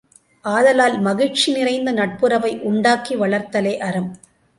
ஆதலால், மகிழ்ச்சி நிறைந்த நட்புறவை உண்டாக்கி வளர்த்தலே அறம்.